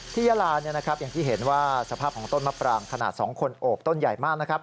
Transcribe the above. ยาลาอย่างที่เห็นว่าสภาพของต้นมะปรางขนาด๒คนโอบต้นใหญ่มากนะครับ